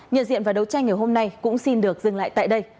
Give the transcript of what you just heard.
nhận diện và đấu tranh ngày hôm nay cũng xin được dừng lại tại đây